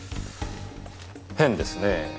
変ですねぇ。